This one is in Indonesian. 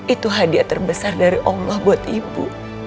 itu hadiah terbesar dari allah buat ibu